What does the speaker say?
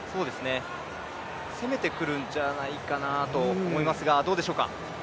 攻めてくるんじゃないかなと思いますが、どうでしょうか？